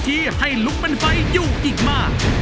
ช่วยฝังดินหรือกว่า